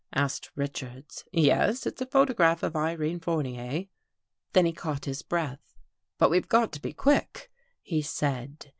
" asked Richards. "Yes. It's a photograph of Irene Fournier." Then he caught his breath. " But we've got to be quick," he said.